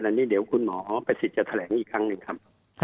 อันนี้เดี๋ยวคุณหมอประสิทธิ์จะแถลงอีกครั้งหนึ่งครับ